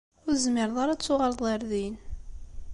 Ur tezmireḍ ara ad tuɣaleḍ ar din.